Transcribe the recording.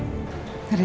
apa yang terjadi